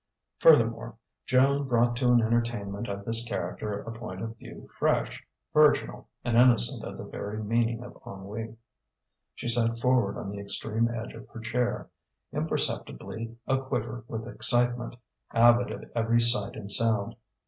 Furthermore, Joan brought to an entertainment of this character a point of view fresh, virginal, and innocent of the very meaning of ennui. She sat forward on the extreme edge of her chair, imperceptibly a quiver with excitement, avid of every sight and sound.